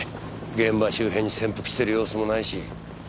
現場周辺に潜伏してる様子もないし。